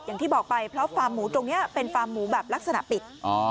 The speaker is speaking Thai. อย่างที่บอกไปเพราะฟาร์มหมูตรงนี้เป็นฟาร์มหมูแบบลักษณะปิด